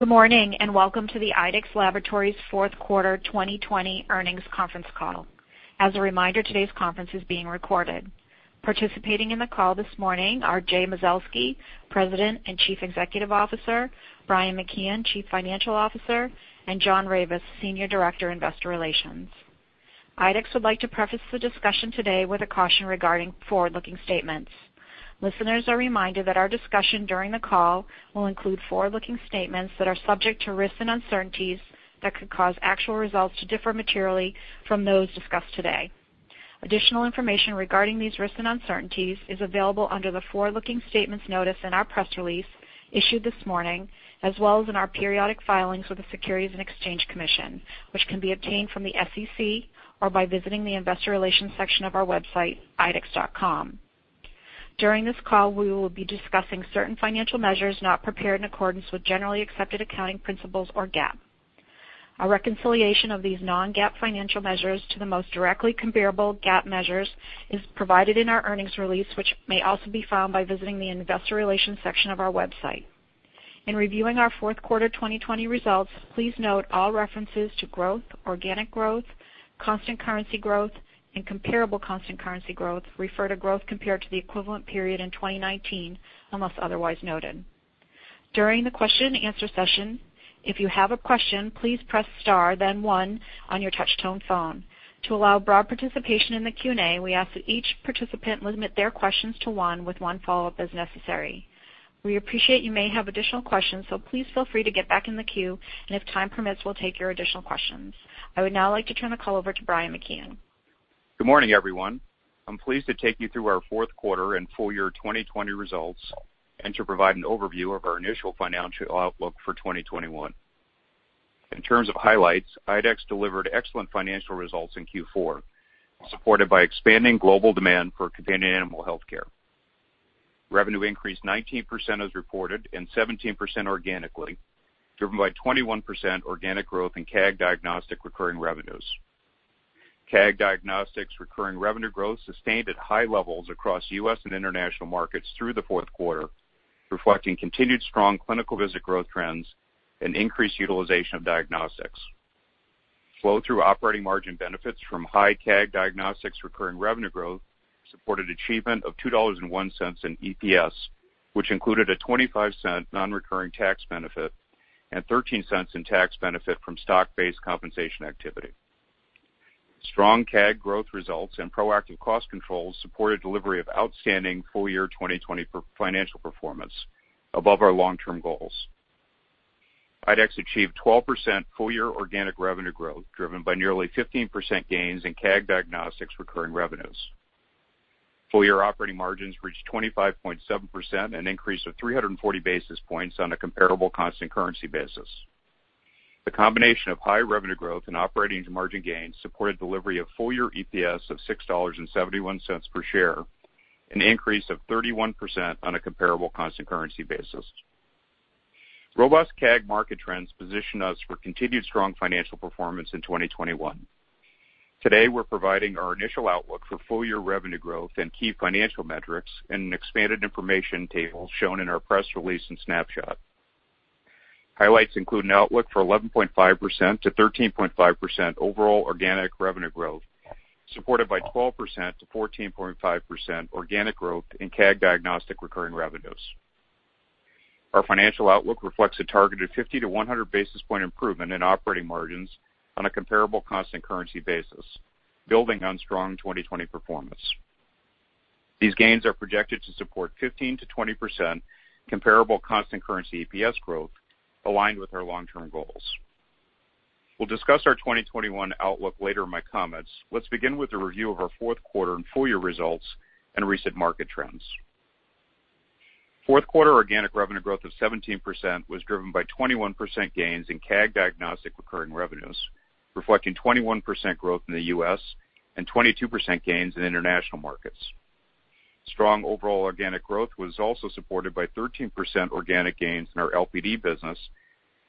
Good morning, and welcome to the IDEXX Laboratories fourth quarter 2020 earnings conference call. As a reminder, today's conference is being recorded. Participating in the call this morning are Jay Mazelsky, President and Chief Executive Officer, Brian McKeon, Chief Financial Officer, and John Ravis, Senior Director, Investor Relations. IDEXX would like to preface the discussion today with a caution regarding forward-looking statements. Listeners are reminded that our discussion during the call will include forward-looking statements that are subject to risks and uncertainties that could cause actual results to differ materially from those discussed today. Additional information regarding these risks and uncertainties is available under the forward-looking statements notice in our press release issued this morning, as well as in our periodic filings with the Securities and Exchange Commission, which can be obtained from the SEC or by visiting the investor relations section of our website, idexx.com. During this call, we will be discussing certain financial measures not prepared in accordance with generally accepted accounting principles, or GAAP. A reconciliation of these non-GAAP financial measures to the most directly comparable GAAP measures is provided in our earnings release, which may also be found by visiting the investor relations section of our website. In reviewing our fourth quarter 2020 results, please note all references to growth, organic growth, constant currency growth, and comparable constant currency growth refer to growth compared to the equivalent period in 2019, unless otherwise noted. During the question-and-answer session, if you have a question, please press star then one on your touch-tone phone. To allow broad participation in the question and answer session, we ask that each participant limit their questions to one with one follow-up as necessary. We appreciate you may have additional questions, so please feel free to get back in the queue, and if time permits, we'll take your additional questions. I would now like to turn the call over to Brian McKeon. Good morning, everyone. I'm pleased to take you through our fourth quarter and full year 2020 results and to provide an overview of our initial financial outlook for 2021. In terms of highlights, IDEXX delivered excellent financial results in Q4, supported by expanding global demand for companion animal healthcare. Revenue increased 19% as reported and 17% organically, driven by 21% organic growth in CAG Diagnostics recurring revenues. CAG Diagnostics recurring revenue growth sustained at high levels across U.S. and international markets through the fourth quarter, reflecting continued strong clinical visit growth trends and increased utilization of diagnostics. Flow-through operating margin benefits from high CAG Diagnostics recurring revenue growth supported achievement of $2.01 in EPS, which included a $0.25 non-recurring tax benefit and $0.13 in tax benefit from stock-based compensation activity. Strong CAG growth results and proactive cost controls supported delivery of outstanding full-year 2020 financial performance above our long-term goals. IDEXX achieved 12% full-year organic revenue growth, driven by nearly 15% gains in CAG Diagnostics recurring revenues. Full-year operating margins reached 25.7%, an increase of 340 basis points on a comparable constant currency basis. The combination of high revenue growth and operating margin gains supported delivery of full-year EPS of $6.71 per share, an increase of 31% on a comparable constant currency basis. Robust CAG market trends position us for continued strong financial performance in 2021. Today, we're providing our initial outlook for full-year revenue growth and key financial metrics in an expanded information table shown in our press release and snapshot. Highlights include an outlook for 11.5%-13.5% overall organic revenue growth, supported by 12%-14.5% organic growth in CAG Diagnostics recurring revenues. Our financial outlook reflects a targeted 50 to 100 basis point improvement in operating margins on a comparable constant currency basis, building on strong 2020 performance. These gains are projected to support 15%-20% comparable constant currency EPS growth aligned with our long-term goals. We'll discuss our 2021 outlook later in my comments. Let's begin with a review of our fourth quarter and full-year results and recent market trends. Fourth quarter organic revenue growth of 17% was driven by 21% gains in CAG Diagnostics recurring revenues, reflecting 21% growth in the U.S. and 22% gains in international markets. Strong overall organic growth was also supported by 13% organic gains in our LPD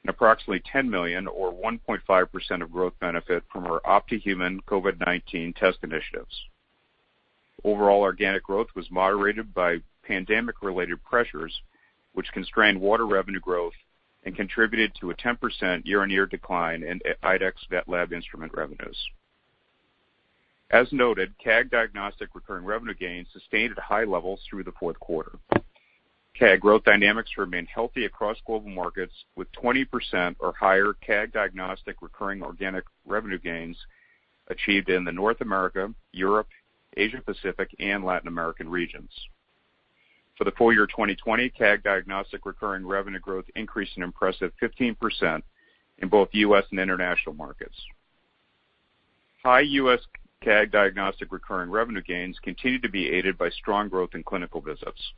business and approximately $10 million or 1.5% of growth benefit from our OPTI Medical COVID-19 test initiatives. Overall organic growth was moderated by pandemic-related pressures, which constrained water revenue growth and contributed to a 10% year-on-year decline in IDEXX VetLab instrument revenues. As noted, CAG Diagnostic recurring revenue gains sustained at high levels through the fourth quarter. CAG growth dynamics remain healthy across global markets with 20% or higher CAG Diagnostic recurring organic revenue gains achieved in the North America, Europe, Asia Pacific, and Latin American regions. For the full year 2020, CAG Diagnostic recurring revenue growth increased an impressive 15% in both U.S. and international markets. High U.S. CAG Diagnostic recurring revenue gains continued to be aided by strong growth in clinical visits.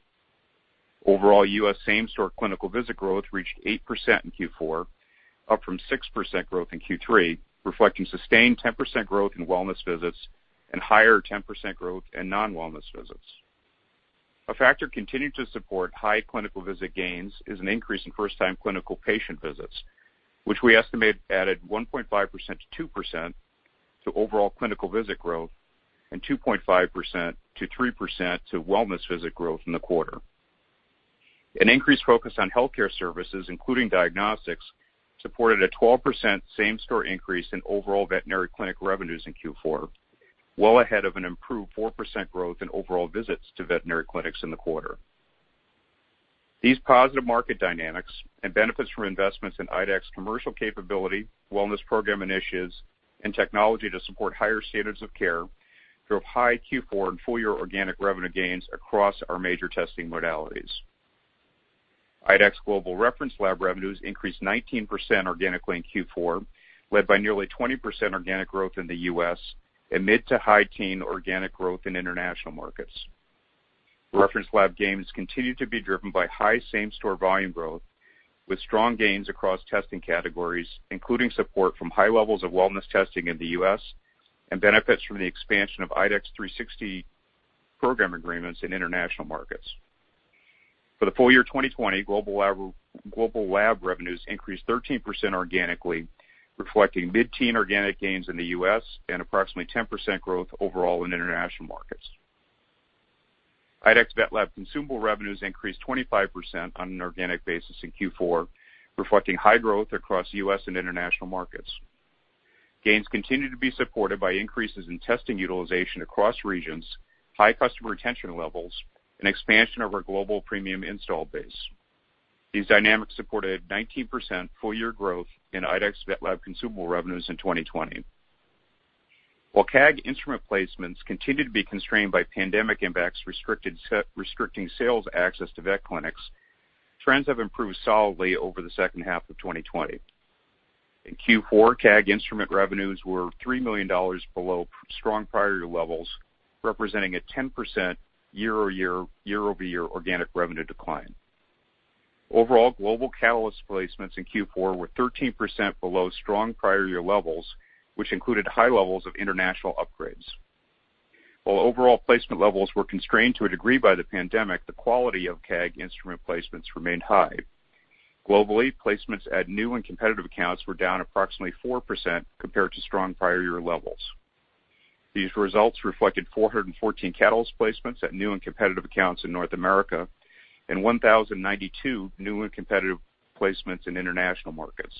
Overall, U.S. same-store clinical visit growth reached 8% in Q4, up from 6% growth in Q3, reflecting sustained 10% growth in wellness visits and higher 10% growth in non-wellness visits. A factor continuing to support high clinical visit gains is an increase in first-time clinical patient visits, which we estimate added 1.5%-2% to overall clinical visit growth and 2.5%-3% to wellness visit growth in the quarter. An increased focus on healthcare services, including diagnostics, supported a 12% same-store increase in overall veterinary clinic revenues in Q4, well ahead of an improved 4% growth in overall visits to veterinary clinics in the quarter. These positive market dynamics and benefits from investments in IDEXX's commercial capability, wellness program initiatives, and technology to support higher standards of care drove high Q4 and full-year organic revenue gains across our major testing modalities. IDEXX Global Reference Lab revenues increased 19% organically in Q4, led by nearly 20% organic growth in the U.S. and mid-to-high teen organic growth in international markets. Reference lab gains continue to be driven by high same-store volume growth with strong gains across testing categories, including support from high levels of wellness testing in the U.S. and benefits from the expansion of IDEXX 360 program agreements in international markets. For the full year 2020, global lab revenues increased 13% organically, reflecting mid-teen organic gains in the U.S. and approximately 10% growth overall in international markets. IDEXX VetLab consumable revenues increased 25% on an organic basis in Q4, reflecting high growth across U.S. and international markets. Gains continued to be supported by increases in testing utilization across regions, high customer retention levels, and expansion of our global premium install base. These dynamics supported a 19% full-year growth in IDEXX VetLab consumable revenues in 2020. While CAG instrument placements continued to be constrained by pandemic impacts restricting sales access to vet clinics, trends have improved solidly over the second half of 2020. In Q4, CAG instrument revenues were $3 million below strong prior year levels, representing a 10% year-over-year organic revenue decline. Overall, global Catalyst placements in Q4 were 13% below strong prior year levels, which included high levels of international upgrades. While overall placement levels were constrained to a degree by the pandemic, the quality of CAG instrument placements remained high. Globally, placements at new and competitive accounts were down approximately 4% compared to strong prior year levels. These results reflected 414 Catalyst placements at new and competitive accounts in North America and 1,092 new and competitive placements in international markets.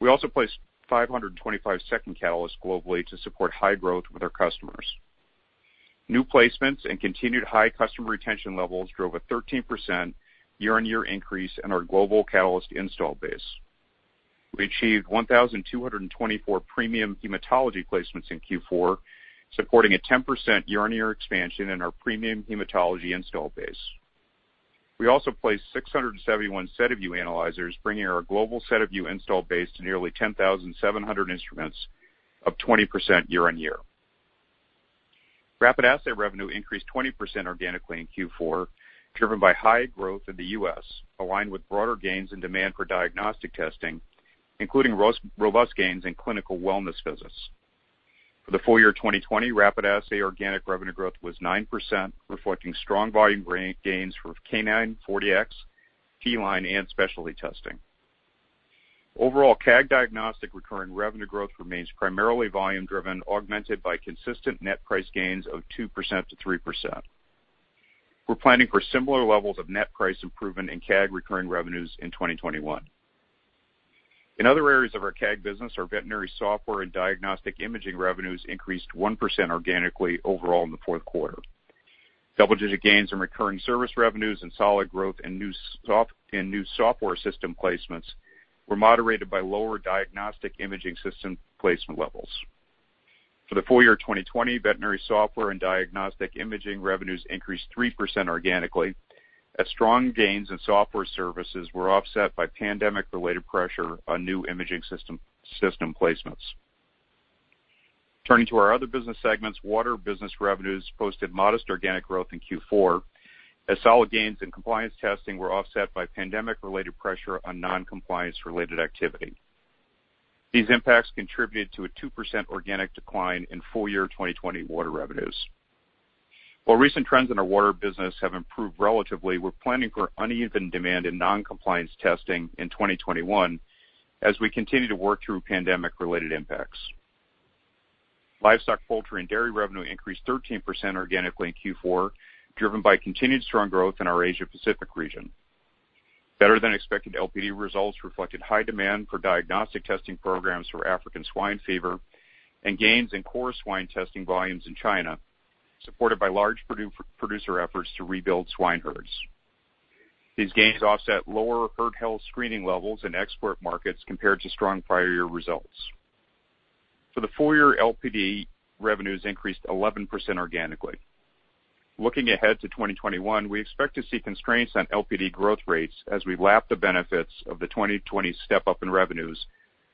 We also placed 525 second Catalyst globally to support high growth with our customers. New placements and continued high customer retention levels drove a 13% year-on-year increase in our global Catalyst install base. We achieved 1,224 premium hematology placements in Q4, supporting a 10% year-on-year expansion in our premium hematology install base. We also placed 671 SediVue Dx analyzers, bringing our global SediVue Dx install base to nearly 10,700 instruments, up 20% year-on-year. Rapid assay revenue increased 20% organically in Q4, driven by high growth in the U.S., aligned with broader gains in demand for diagnostic testing, including robust gains in clinical wellness visits. For the full year 2020, rapid assay organic revenue growth was 9%, reflecting strong volume gains for SNAP 4Dx Plus, feline, and specialty testing. Overall, CAG Diagnostic recurring revenue growth remains primarily volume driven, augmented by consistent net price gains of 2%-3%. We're planning for similar levels of net price improvement in CAG recurring revenues in 2021. In other areas of our CAG business, our veterinary software and diagnostic imaging revenues increased 1% organically overall in the fourth quarter. Double-digit gains in recurring service revenues and solid growth in new software system placements were moderated by lower diagnostic imaging system placement levels. For the full year 2020, veterinary software and diagnostic imaging revenues increased 3% organically as strong gains in software services were offset by pandemic-related pressure on new imaging system placements. Turning to our other business segments, water business revenues posted modest organic growth in Q4 as solid gains in compliance testing were offset by pandemic-related pressure on non-compliance related activity. These impacts contributed to a 2% organic decline in full year 2020 water revenues. While recent trends in our water business have improved relatively, we're planning for uneven demand in non-compliance testing in 2021 as we continue to work through pandemic-related impacts. Livestock, poultry, and dairy revenue increased 13% organically in Q4, driven by continued strong growth in our Asia Pacific region. Better-than-expected LPD results reflected high demand for diagnostic testing programs for African swine fever and gains in core swine testing volumes in China, supported by large producer efforts to rebuild swine herds. These gains offset lower herd health screening levels in export markets compared to strong prior year results. For the full year, LPD revenues increased 11% organically. Looking ahead to 2021, we expect to see constraints on LPD growth rates as we lap the benefits of the 2020 step-up in revenues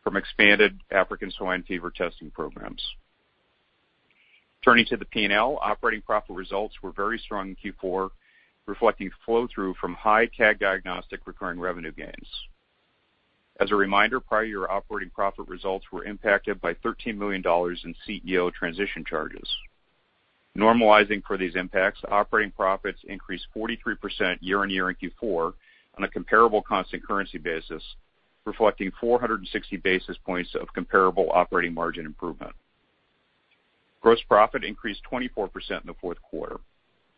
from expanded African swine fever testing programs. Turning to the P&L, operating profit results were very strong in Q4, reflecting flow-through from high CAG Diagnostic recurring revenue gains. As a reminder, prior year operating profit results were impacted by $13 million in CEO transition charges. Normalizing for these impacts, operating profits increased 43% year-on-year in Q4 on a comparable constant currency basis, reflecting 460 basis points of comparable operating margin improvement. Gross profit increased 24% in the fourth quarter.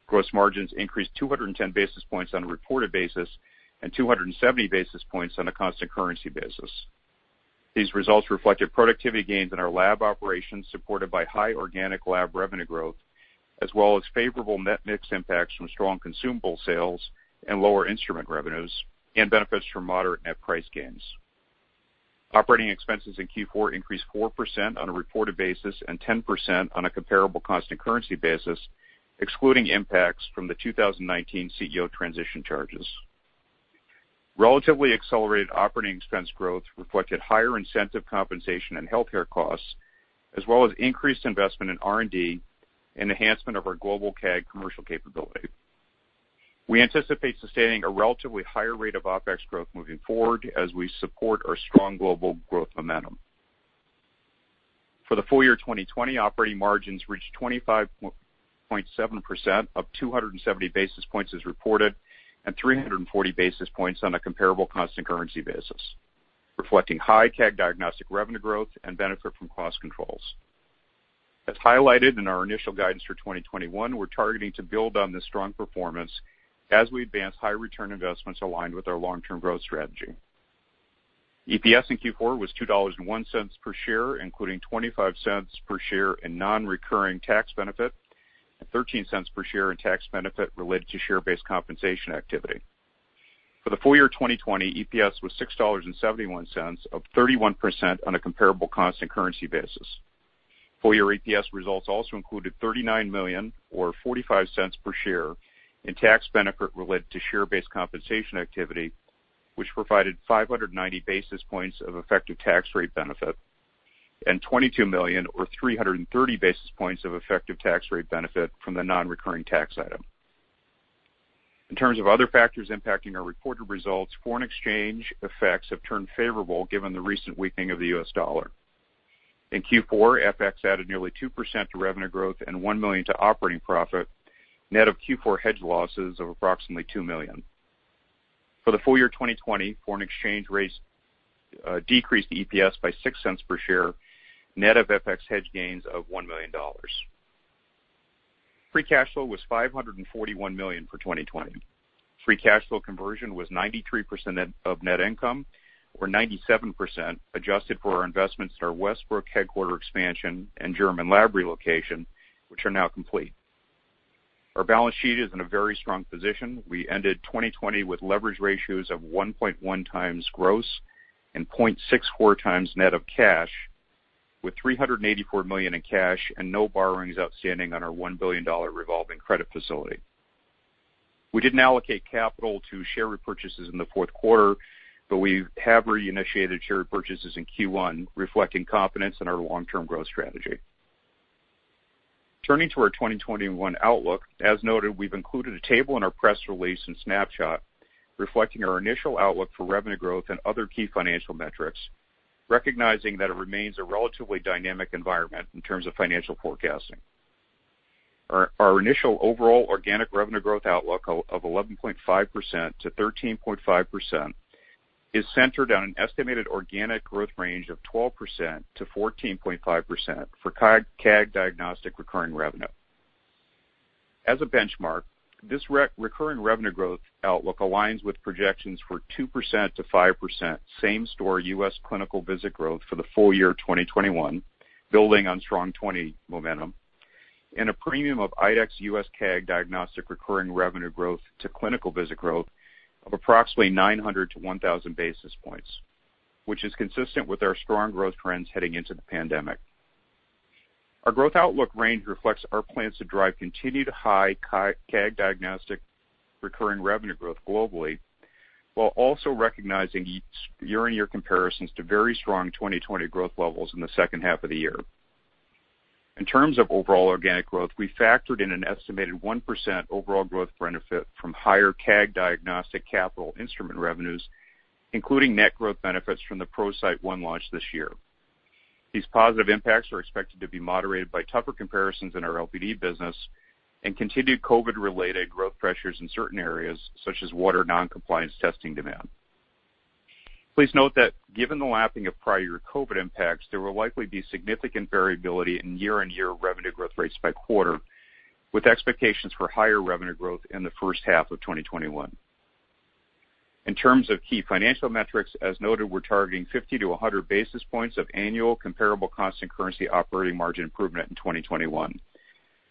Gross margins increased 210 basis points on a reported basis and 270 basis points on a constant currency basis. These results reflected productivity gains in our lab operations, supported by high organic lab revenue growth, as well as favorable net mix impacts from strong consumable sales and lower instrument revenues, and benefits from moderate net price gains. Operating expenses in Q4 increased 4% on a reported basis and 10% on a comparable constant currency basis, excluding impacts from the 2019 CEO transition charges. Relatively accelerated operating expense growth reflected higher incentive compensation and healthcare costs, as well as increased investment in R&D and enhancement of our global CAG commercial capability. We anticipate sustaining a relatively higher rate of OpEx growth moving forward as we support our strong global growth momentum. For the full year 2020, operating margins reached 25.7%, up 270 basis points as reported and 340 basis points on a comparable constant currency basis, reflecting high CAG diagnostic revenue growth and benefit from cost controls. As highlighted in our initial guidance for 2021, we're targeting to build on this strong performance as we advance high return investments aligned with our long-term growth strategy. EPS in Q4 was $2.01 per share, including $0.25 per share in non-recurring tax benefit and $0.13 per share in tax benefit related to share-based compensation activity. For the full year 2020, EPS was $6.71, up 31% on a comparable constant currency basis. Full year EPS results also included $39 million, or $0.45 per share, in tax benefit related to share-based compensation activity, which provided 590 basis points of effective tax rate benefit and $22 million or 330 basis points of effective tax rate benefit from the non-recurring tax item. In terms of other factors impacting our reported results, foreign exchange effects have turned favorable given the recent weakening of the US dollar. In Q4, FX added nearly 2% to revenue growth and $1 million to operating profit, net of Q4 hedge losses of approximately $2 million. For the full year 2020, foreign exchange rates decreased EPS by $0.06 per share, net of FX hedge gains of $1 million. Free cash flow was $541 million for 2020. Free cash flow conversion was 93% of net income or 97% adjusted for our investments in our Westbrook headquarter expansion and German lab relocation, which are now complete. Our balance sheet is in a very strong position. We ended 2020 with leverage ratios of 1.1x gross and 0.64 times net of cash, with $384 million in cash and no borrowings outstanding on our $1 billion revolving credit facility. We didn't allocate capital to share repurchases in the fourth quarter, but we have reinitiated share purchases in Q1, reflecting confidence in our long-term growth strategy. Turning to our 2021 outlook. As noted, we've included a table in our press release and snapshot reflecting our initial outlook for revenue growth and other key financial metrics, recognizing that it remains a relatively dynamic environment in terms of financial forecasting. Our initial overall organic revenue growth outlook of 11.5%-13.5% is centered on an estimated organic growth range of 12%-14.5% for CAG diagnostic recurring revenue. As a benchmark, this recurring revenue growth outlook aligns with projections for 2%-5% same-store U.S. clinical visit growth for the full year 2021, building on strong 2020 momentum and a premium of IDEXX U.S. CAG diagnostic recurring revenue growth to clinical visit growth of approximately 900-1,000 basis points, which is consistent with our strong growth trends heading into the pandemic. Our growth outlook range reflects our plans to drive continued high CAG diagnostic recurring revenue growth globally, while also recognizing year-on-year comparisons to very strong 2020 growth levels in the second half of the year. In terms of overall organic growth, we factored in an estimated 1% overall growth benefit from higher CAG Diagnostics capital instrument revenues, including net growth benefits from the ProCyte One launch this year. These positive impacts are expected to be moderated by tougher comparisons in our LPD business and continued COVID-related growth pressures in certain areas, such as water noncompliance testing demand. Please note that given the lapping of prior COVID impacts, there will likely be significant variability in year-on-year revenue growth rates by quarter, with expectations for higher revenue growth in the first half of 2021. In terms of key financial metrics, as noted, we're targeting 50 to 100 basis points of annual comparable constant currency operating margin improvement in 2021.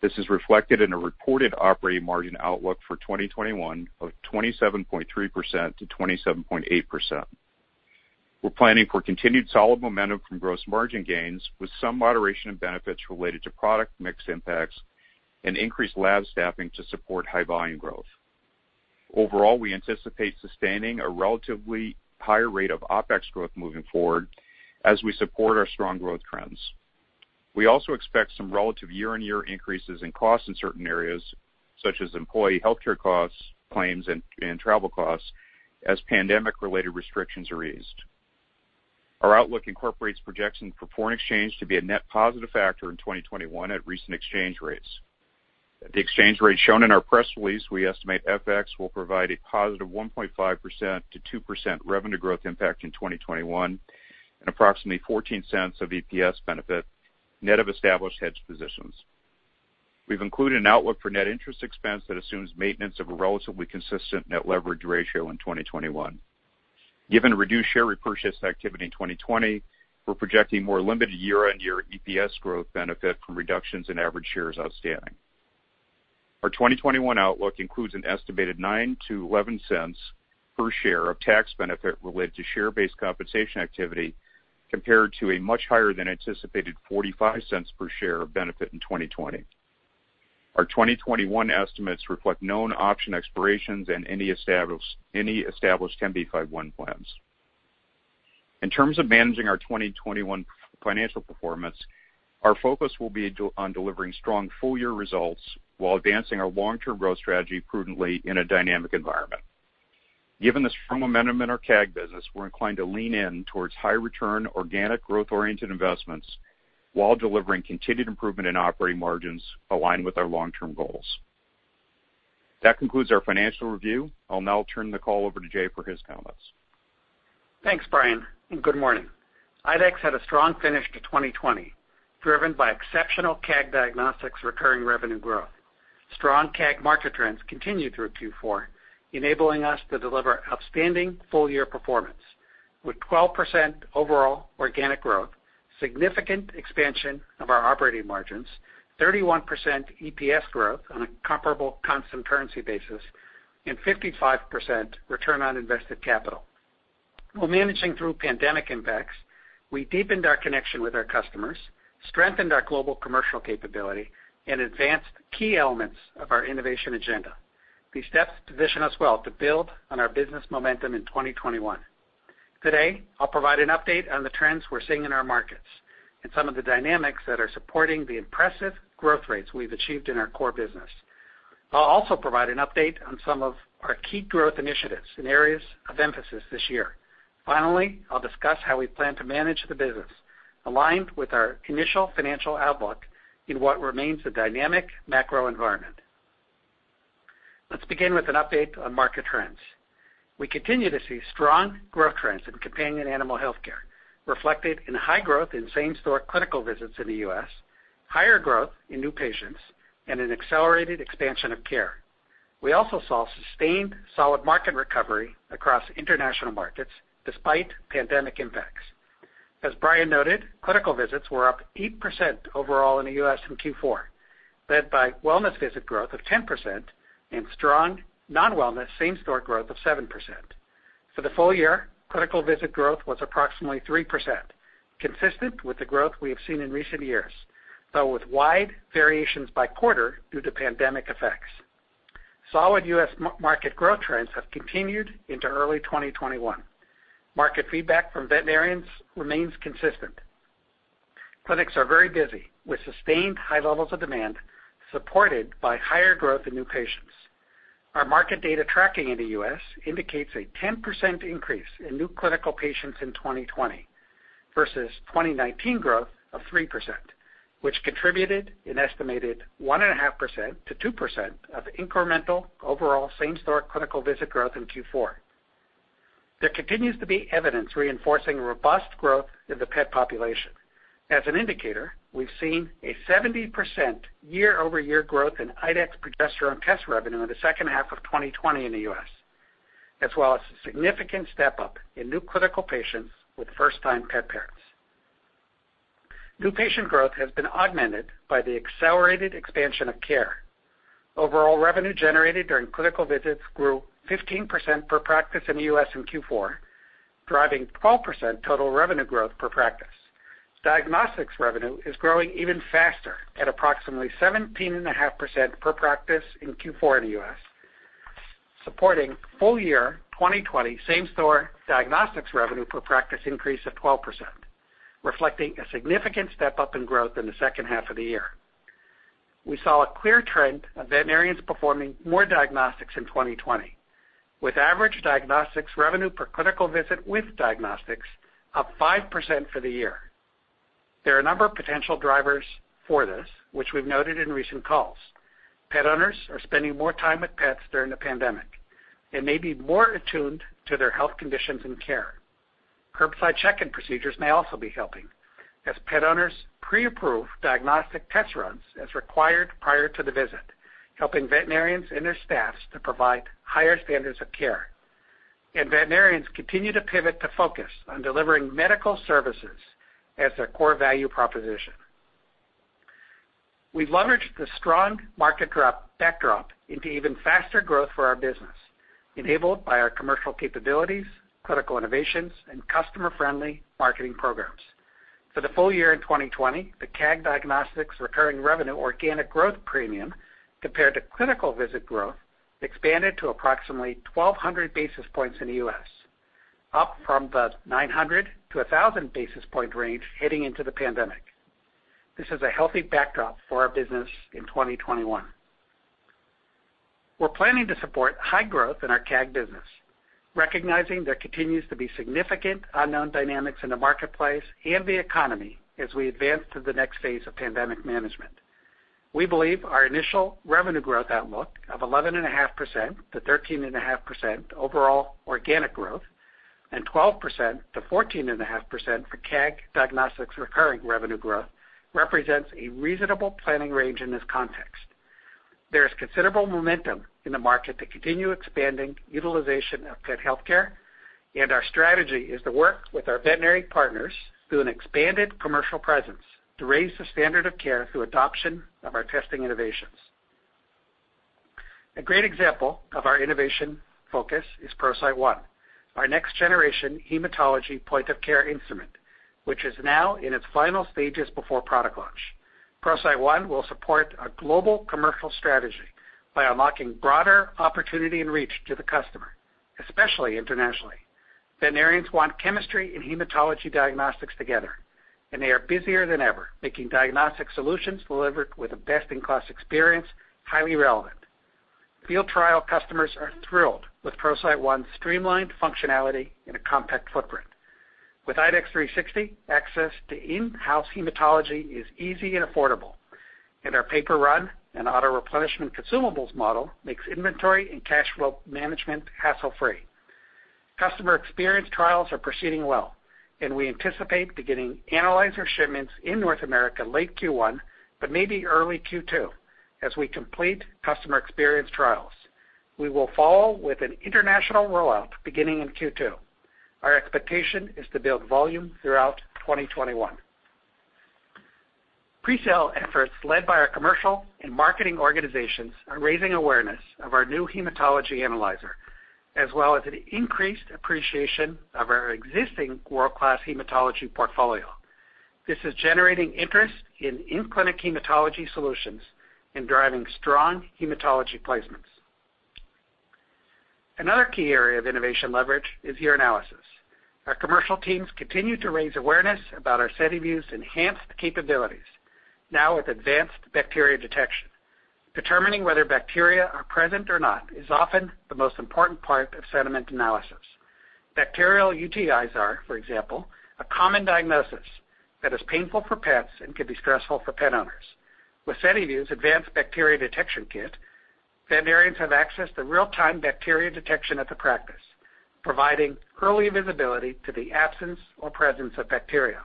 This is reflected in a reported operating margin outlook for 2021 of 27.3%-27.8%. We're planning for continued solid momentum from gross margin gains, with some moderation in benefits related to product mix impacts and increased lab staffing to support high volume growth. Overall, we anticipate sustaining a relatively higher rate of OpEx growth moving forward as we support our strong growth trends. We also expect some relative year-on-year increases in costs in certain areas, such as employee healthcare costs, claims, and travel costs as pandemic-related restrictions are eased. Our outlook incorporates projections for foreign exchange to be a net positive factor in 2021 at recent exchange rates. At the exchange rate shown in our press release, we estimate FX will provide a positive 1.5%-2% revenue growth impact in 2021 and approximately $0.14 of EPS benefit, net of established hedge positions. We've included an outlook for net interest expense that assumes maintenance of a relatively consistent net leverage ratio in 2021. Given reduced share repurchase activity in 2020, we're projecting more limited year-on-year EPS growth benefit from reductions in average shares outstanding. Our 2021 outlook includes an estimated $0.09-$0.11 per share of tax benefit related to share-based compensation activity, compared to a much higher than anticipated $0.45 per share of benefit in 2020. Our 2021 estimates reflect known option expirations and any established 10b5-1 plans. In terms of managing our 2021 financial performance, our focus will be on delivering strong full-year results while advancing our long-term growth strategy prudently in a dynamic environment. Given the strong momentum in our CAG business, we're inclined to lean in towards high return, organic growth-oriented investments while delivering continued improvement in operating margins aligned with our long-term goals. That concludes our financial review. I'll now turn the call over to Jay for his comments. Thanks, Brian, and good morning. IDEXX had a strong finish to 2020, driven by exceptional CAG Diagnostics recurring revenue growth. Strong CAG market trends continued through Q4, enabling us to deliver outstanding full-year performance with 12% overall organic growth, significant expansion of our operating margins, 31% EPS growth on a comparable constant currency basis, and 55% return on invested capital. While managing through pandemic impacts, we deepened our connection with our customers, strengthened our global commercial capability, and advanced key elements of our innovation agenda. These steps position us well to build on our business momentum in 2021. Today, I'll provide an update on the trends we're seeing in our markets and some of the dynamics that are supporting the impressive growth rates we've achieved in our core business. I'll also provide an update on some of our key growth initiatives and areas of emphasis this year. Finally, I'll discuss how we plan to manage the business, aligned with our initial financial outlook in what remains a dynamic macro environment. Let's begin with an update on market trends. We continue to see strong growth trends in companion animal healthcare, reflected in high growth in same-store clinical visits in the U.S., higher growth in new patients, and an accelerated expansion of care. We also saw sustained solid market recovery across international markets despite pandemic impacts. As Brian noted, clinical visits were up 8% overall in the U.S. in Q4, led by wellness visit growth of 10% and strong non-wellness same-store growth of 7%. For the full year, clinical visit growth was approximately 3%, consistent with the growth we have seen in recent years, though with wide variations by quarter due to pandemic effects. Solid U.S. market growth trends have continued into early 2021. Market feedback from veterinarians remains consistent. Clinics are very busy with sustained high levels of demand, supported by higher growth in new patients. Our market data tracking in the U.S. indicates a 10% increase in new clinical patients in 2020 versus 2019 growth of 3%, which contributed an estimated 1.5%-2% of incremental overall same-store clinical visit growth in Q4. There continues to be evidence reinforcing robust growth in the pet population. As an indicator, we've seen a 70% year-over-year growth in IDEXX progesterone test revenue in the second half of 2020 in the U.S., as well as a significant step-up in new critical patients with first-time pet parents. New patient growth has been augmented by the accelerated expansion of care. Overall revenue generated during clinical visits grew 15% per practice in the U.S. in Q4, driving 12% total revenue growth per practice. Diagnostics revenue is growing even faster at approximately 17.5% per practice in Q4 in the U.S., supporting full year 2020 same-store diagnostics revenue per practice increase of 12%, reflecting a significant step-up in growth in the second half of the year. We saw a clear trend of veterinarians performing more diagnostics in 2020, with average diagnostics revenue per clinical visit with diagnostics up 5% for the year. There are a number of potential drivers for this, which we've noted in recent calls. Pet owners are spending more time with pets during the pandemic and may be more attuned to their health conditions and care. Curbside check-in procedures may also be helping as pet owners pre-approve diagnostic test runs as required prior to the visit, helping veterinarians and their staffs to provide higher standards of care. Veterinarians continue to pivot to focus on delivering medical services as their core value proposition. We've leveraged the strong market backdrop into even faster growth for our business, enabled by our commercial capabilities, clinical innovations, and customer-friendly marketing programs. For the full year in 2020, the CAG Diagnostics recurring revenue organic growth premium compared to clinical visit growth expanded to approximately 1,200 basis points in the U.S., up from the 900-1,000 basis point range heading into the pandemic. This is a healthy backdrop for our business in 2021. We're planning to support high growth in our CAG business, recognizing there continues to be significant unknown dynamics in the marketplace and the economy as we advance to the next phase of pandemic management. We believe our initial revenue growth outlook of 11.5%-13.5% overall organic growth and 12%-14.5% for CAG Diagnostics recurring revenue growth represents a reasonable planning range in this context. Our strategy is to work with our veterinary partners through an expanded commercial presence to raise the standard of care through adoption of our testing innovations. A great example of our innovation focus is ProCyte One, our next-generation hematology point-of-care instrument, which is now in its final stages before product launch. ProCyte One will support a global commercial strategy by unlocking broader opportunity and reach to the customer, especially internationally. Veterinarians want chemistry and hematology diagnostics together. They are busier than ever, making diagnostic solutions delivered with a best-in-class experience highly relevant. Field trial customers are thrilled with ProCyte One's streamlined functionality in a compact footprint. With IDEXX 360, access to in-house hematology is easy and affordable. Our pay-per-run and auto-replenishment consumables model makes inventory and cash flow management hassle-free. Customer experience trials are proceeding well, and we anticipate beginning analyzer shipments in North America late Q1, but maybe early Q2, as we complete customer experience trials. We will follow with an international rollout beginning in Q2. Our expectation is to build volume throughout 2021. Pre-sale efforts led by our commercial and marketing organizations are raising awareness of our new hematology analyzer, as well as an increased appreciation of our existing world-class hematology portfolio. This is generating interest in in-clinic hematology solutions and driving strong hematology placements. Another key area of innovation leverage is urinalysis. Our commercial teams continue to raise awareness about our SediVue enhanced capabilities, now with advanced bacteria detection. Determining whether bacteria are present or not is often the most important part of sediment analysis. Bacterial UTIs are, for example, a common diagnosis that is painful for pets and can be stressful for pet owners. With SediVue's advanced bacteria detection kit, veterinarians have access to real-time bacteria detection at the practice, providing early visibility to the absence or presence of bacteria.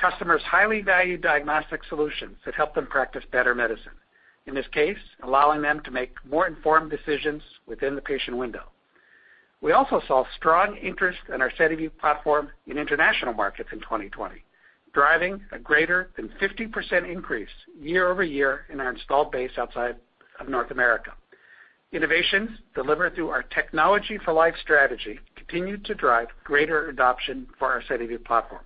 Customers highly value diagnostic solutions that help them practice better medicine, in this case, allowing them to make more informed decisions within the patient window. We also saw strong interest in our SediVue platform in international markets in 2020, driving a greater than 50% increase year-over-year in our installed base outside of North America. Innovations delivered through our Technology for Life strategy continue to drive greater adoption for our SediVue platform.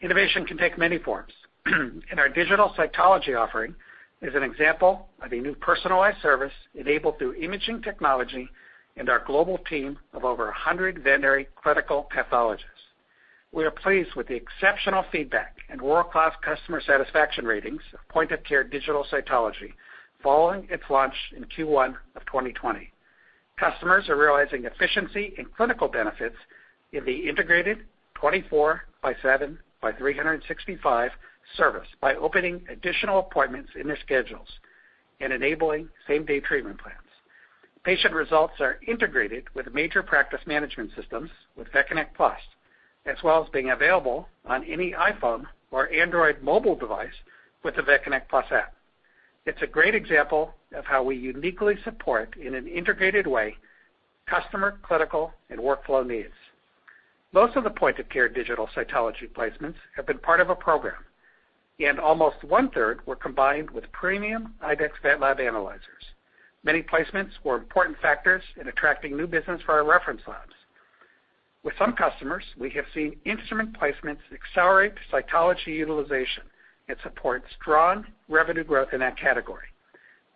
Innovation can take many forms, and our digital cytology offering is an example of a new personalized service enabled through imaging technology and our global team of over 100 veterinary clinical pathologists. We are pleased with the exceptional feedback and world-class customer satisfaction ratings of point-of-care digital cytology following its launch in Q1 of 2020. Customers are realizing efficiency and clinical benefits in the integrated 24 by seven by 365 service by opening additional appointments in their schedules and enabling same-day treatment plans. Patient results are integrated with major practice management systems with VetConnect PLUS, as well as being available on any iPhone or Android mobile device with the VetConnect PLUS app. It's a great example of how we uniquely support, in an integrated way, customer, clinical, and workflow needs. Most of the point-of-care digital cytology placements have been part of a program, and almost one-third were combined with premium IDEXX VetLab analyzers. Many placements were important factors in attracting new business for our reference labs. With some customers, we have seen instrument placements accelerate cytology utilization and support strong revenue growth in that category.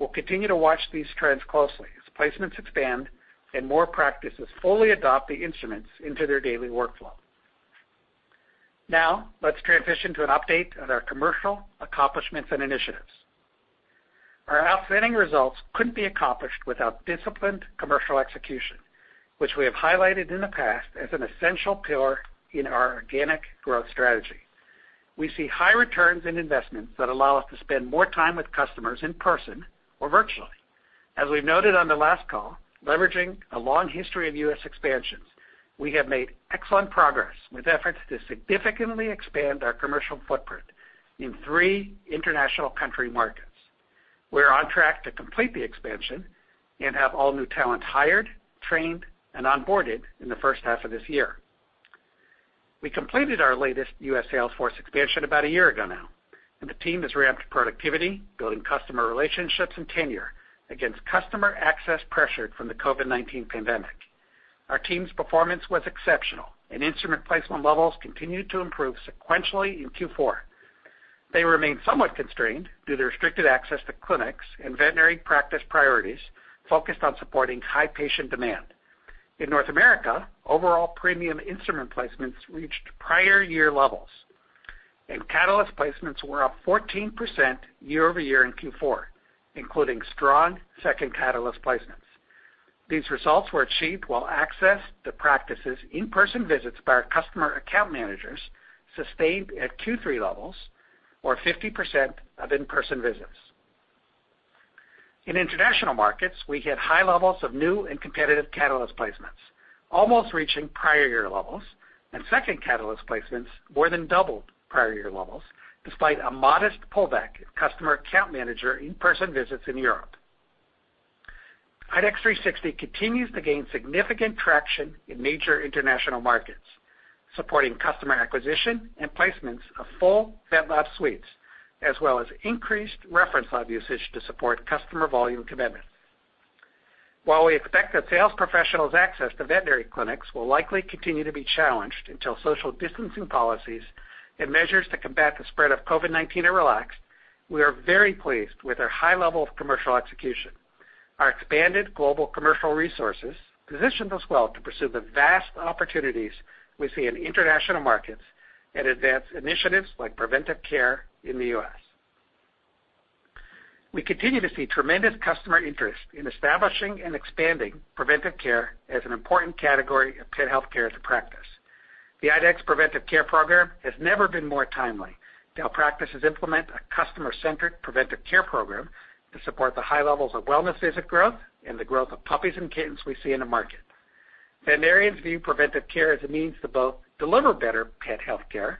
We'll continue to watch these trends closely as placements expand and more practices fully adopt the instruments into their daily workflow. Now, let's transition to an update on our commercial accomplishments and initiatives. Our outstanding results couldn't be accomplished without disciplined commercial execution, which we have highlighted in the past as an essential pillar in our organic growth strategy. We see high returns in investments that allow us to spend more time with customers in person or virtually. As we noted on the last call, leveraging a long history of U.S. expansions, we have made excellent progress with efforts to significantly expand our commercial footprint in three international country markets. We're on track to complete the expansion and have all new talent hired, trained, and onboarded in the first half of this year. We completed our latest U.S. sales force expansion about a year ago now, and the team has ramped productivity, building customer relationships and tenure against customer access pressure from the COVID-19 pandemic. Our team's performance was exceptional, and instrument placement levels continued to improve sequentially in Q4. They remain somewhat constrained due to restricted access to clinics and veterinary practice priorities focused on supporting high patient demand. In North America, overall premium instrument placements reached prior year levels. Catalyst placements were up 14% year-over-year in Q4, including strong second Catalyst placements. These results were achieved while access to practices in-person visits by our customer account managers sustained at Q3 levels or 50% of in-person visits. In international markets, we hit high levels of new and competitive Catalyst placements, almost reaching prior year levels, and second Catalyst placements more than doubled prior year levels, despite a modest pullback in customer account manager in-person visits in Europe. IDEXX 360 continues to gain significant traction in major international markets, supporting customer acquisition and placements of full vet lab suites, as well as increased reference lab usage to support customer volume commitments. While we expect that sales professionals' access to veterinary clinics will likely continue to be challenged until social distancing policies and measures to combat the spread of COVID-19 are relaxed, we are very pleased with our high level of commercial execution. Our expanded global commercial resources positions us well to pursue the vast opportunities we see in international markets and advance initiatives like Preventive Care in the U.S. We continue to see tremendous customer interest in establishing and expanding Preventive Care as an important category of pet healthcare to practice. The IDEXX Preventive Care Program has never been more timely. Now practices implement a customer-centric Preventive Care Program to support the high levels of wellness visit growth and the growth of puppies and kittens we see in the market. Veterinarians view Preventive Care as a means to both deliver better pet healthcare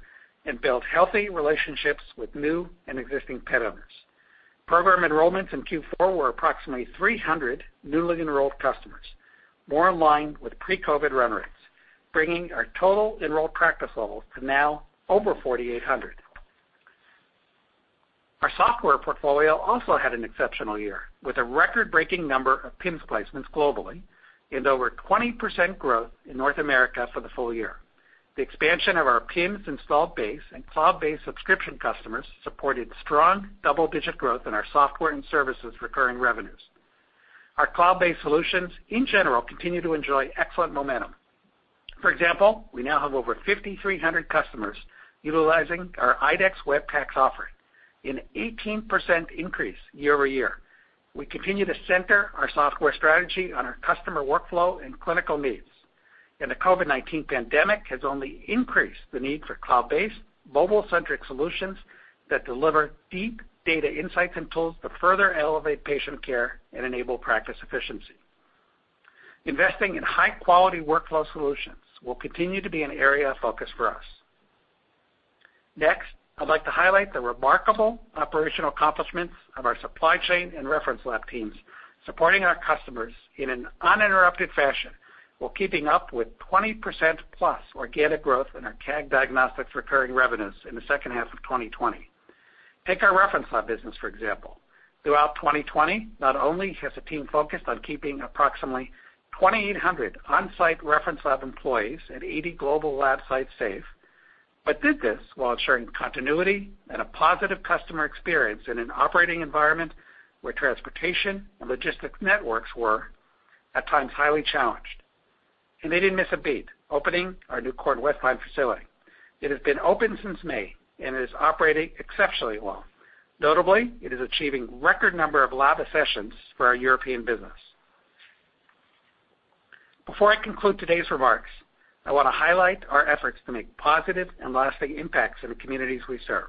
and build healthy relationships with new and existing pet owners. Program enrollments in Q4 were approximately 300 newly enrolled customers, more in line with pre-COVID run rates, bringing our total enrolled practice levels to now over 4,800. Our software portfolio also had an exceptional year, with a record-breaking number of PIMS placements globally and over 20% growth in North America for the full year. The expansion of our PIMS installed base and cloud-based subscription customers supported strong double-digit growth in our software and services recurring revenues. Our cloud-based solutions, in general, continue to enjoy excellent momentum. For example, we now have over 5,300 customers utilizing our IDEXX Web PACS offering, an 18% increase year-over-year. We continue to center our software strategy on our customer workflow and clinical needs. The COVID-19 pandemic has only increased the need for cloud-based, mobile-centric solutions that deliver deep data insights and tools to further elevate patient care and enable practice efficiency. Investing in high-quality workflow solutions will continue to be an area of focus for us. Next, I'd like to highlight the remarkable operational accomplishments of our supply chain and reference lab teams, supporting our customers in an uninterrupted fashion while keeping up with 20%+ organic growth in our CAG Diagnostics recurring revenues in the second half of 2020. Take our reference lab business, for example. Throughout 2020, not only has the team focused on keeping approximately 2,800 on-site reference lab employees at 80 global lab sites safe, but did this while ensuring continuity and a positive customer experience in an operating environment where transportation and logistics networks were at times highly challenged. They didn't miss a beat opening our new Kornwestheim facility. It has been open since May and is operating exceptionally well. Notably, it is achieving record number of lab sessions for our European business. Before I conclude today's remarks, I want to highlight our efforts to make positive and lasting impacts in the communities we serve.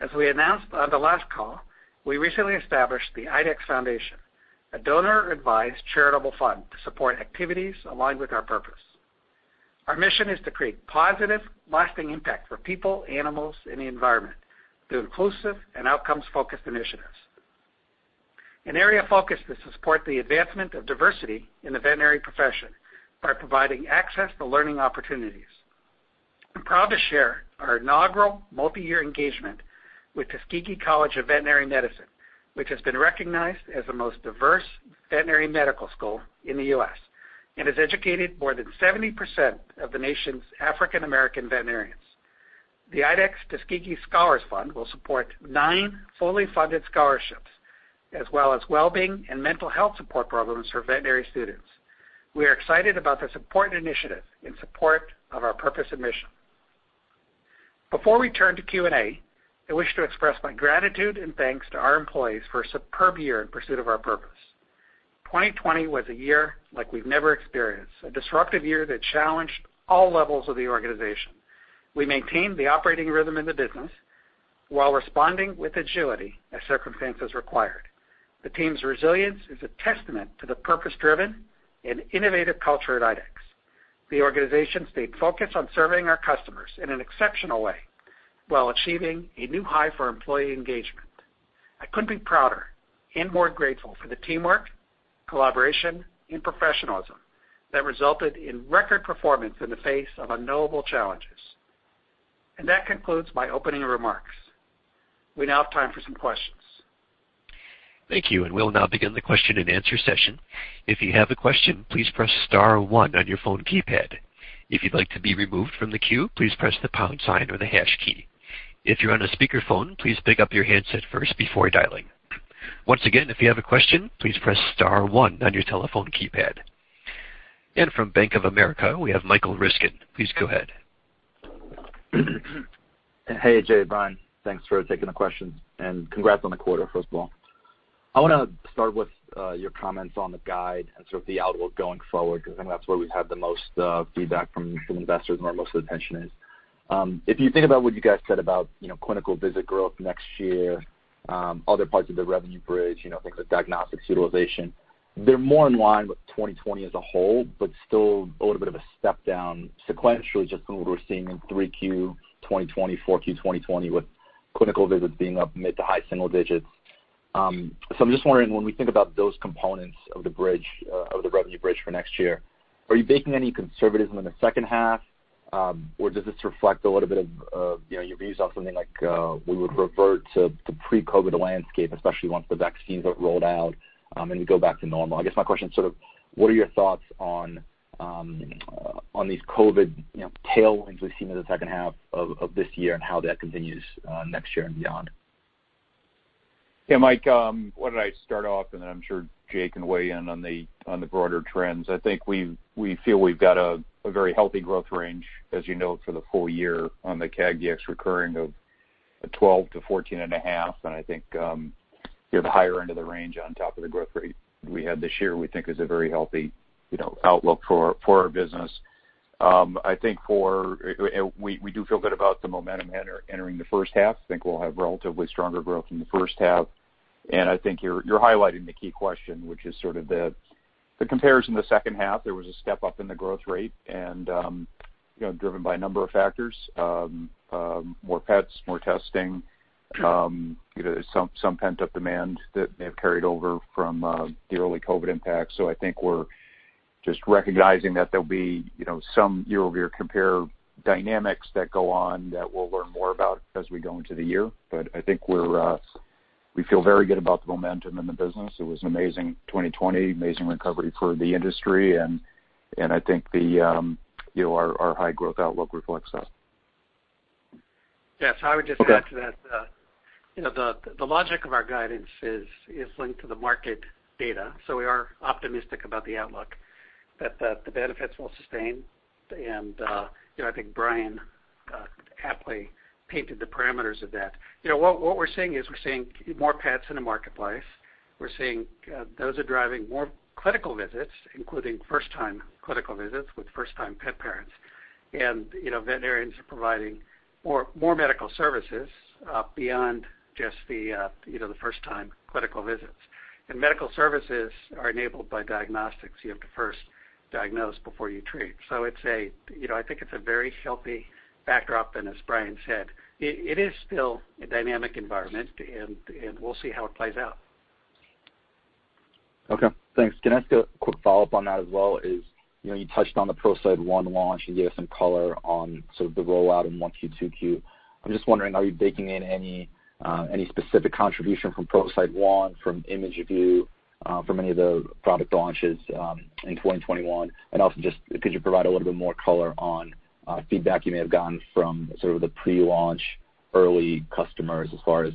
As we announced on the last call, we recently established the IDEXX Foundation, a donor-advised charitable fund to support activities aligned with our purpose. Our mission is to create positive, lasting impact for people, animals, and the environment through inclusive and outcomes-focused initiatives. An area of focus is to support the advancement of diversity in the veterinary profession by providing access to learning opportunities. I'm proud to share our inaugural multi-year engagement with Tuskegee University College of Veterinary Medicine, which has been recognized as the most diverse veterinary medical school in the U.S. and has educated more than 70% of the nation's African American veterinarians. The IDEXX Tuskegee Scholars Fund will support nine fully funded scholarships, as well as well-being and mental health support programs for veterinary students. We are excited about this important initiative in support of our purpose and mission. Before we turn to Q&A, I wish to express my gratitude and thanks to our employees for a superb year in pursuit of our purpose. 2020 was a year like we've never experienced, a disruptive year that challenged all levels of the organization. We maintained the operating rhythm in the business while responding with agility as circumstances required. The team's resilience is a testament to the purpose-driven and innovative culture at IDEXX. The organization stayed focused on serving our customers in an exceptional way while achieving a new high for employee engagement. I couldn't be prouder and more grateful for the teamwork, collaboration, and professionalism that resulted in record performance in the face of unknowable challenges. That concludes my opening remarks. We now have time for some questions. Thank you. We will now being the question-and-answer session. If you have a question, please press star one on your phone keypad. If you'd like to be removed from the queue, please press the pound sign or the hash key. If you're on a speakerphone, please pick up your handset first before dialing. Once again, if you have a question, please press star one on your telephone keypad. From Bank of America, we have Michael Ryskin. Please go ahead. Hey, Jay, Brian. Thanks for taking the questions. Congrats on the quarter, first of all. I want to start with your comments on the guide and sort of the outlook going forward, because I think that's where we've had the most feedback from investors and where most of the attention is. If you think about what you guys said about clinical visit growth next year, other parts of the revenue bridge, things like diagnostics utilization, they're more in line with 2020 as a whole. Still a little bit of a step down sequentially, just from what we're seeing in Q3 2020, Q4 2020, with clinical visits being up mid to high single digits. I'm just wondering, when we think about those components of the revenue bridge for next year, are you baking any conservatism in the second half? Does this reflect a little bit of your views on something like, we would revert to the pre-COVID landscape, especially once the vaccines got rolled out and we go back to normal. I guess my question is, what are your thoughts on these COVID tailwinds we've seen in the second half of this year, and how that continues next year and beyond? Mike, why don't I start off, and then I'm sure Jay can weigh in on the broader trends. I think we feel we've got a very healthy growth range, as you note, for the full year on the CAG Dx recurring of 12%-14.5%. I think the higher end of the range on top of the growth rate we had this year, we think is a very healthy outlook for our business. We do feel good about the momentum entering the first half. Think we'll have relatively stronger growth in the first half. I think you're highlighting the key question, which is sort of the comparison to the second half. There was a step-up in the growth rate and driven by a number of factors. More pets, more testing, some pent-up demand that may have carried over from the early COVID-19 impact. I think we're just recognizing that there'll be some year-over-year compare dynamics that go on that we'll learn more about as we go into the year. I think we feel very good about the momentum in the business. It was an amazing 2020, amazing recovery for the industry, and I think our high growth outlook reflects that. Yeah. I would just add to that. The logic of our guidance is linked to the market data. We are optimistic about the outlook that the benefits will sustain. I think Brian aptly painted the parameters of that. What we're seeing is we're seeing more pets in the marketplace. We're seeing those are driving more clinical visits, including first-time clinical visits with first-time pet parents. Veterinarians are providing more medical services beyond just the first-time clinical visits. Medical services are enabled by diagnostics. You have to first diagnose before you treat. I think it's a very healthy backdrop, and as Brian said, it is still a dynamic environment, and we'll see how it plays out. Okay, thanks. Can I ask a quick follow-up on that as well is, you touched on the ProCyte One launch and gave some color on sort of the rollout in 1Q, 2Q. I'm just wondering, are you baking in any specific contribution from ProCyte One, from ImageVue, from any of the product launches in 2021? Also just could you provide a little bit more color on feedback you may have gotten from sort of the pre-launch early customers as far as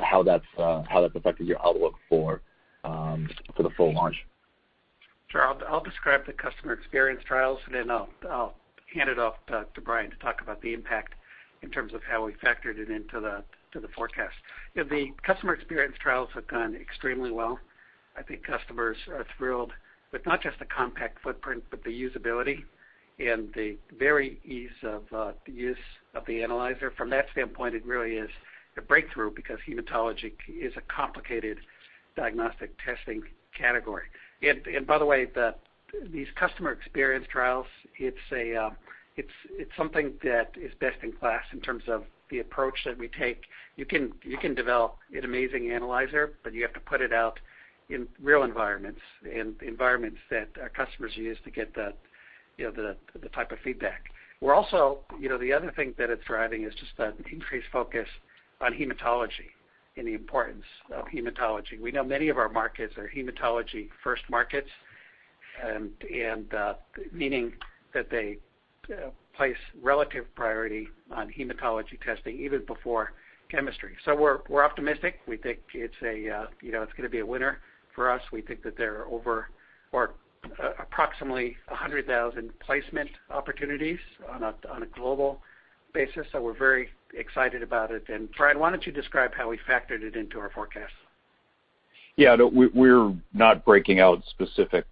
how that's affected your outlook for the full launch? Sure. I'll describe the customer experience trials, then I'll hand it off to Brian to talk about the impact in terms of how we factored it into the forecast. The customer experience trials have gone extremely well. I think customers are thrilled with not just the compact footprint, but the usability and the very ease of the use of the analyzer. From that standpoint, it really is a breakthrough because hematology is a complicated diagnostic testing category. By the way, these customer experience trials, it's something that is best in class in terms of the approach that we take. You can develop an amazing analyzer, but you have to put it out in real environments and the environments that our customers use to get the type of feedback. The other thing that it's driving is just an increased focus on hematology and the importance of hematology. We know many of our markets are hematology-first markets, meaning that they place relative priority on hematology testing even before chemistry. We're optimistic. We think it's going to be a winner for us. We think that there are over or approximately 100,000 placement opportunities on a global basis, so we're very excited about it. Brian, why don't you describe how we factored it into our forecast? No, we're not breaking out specific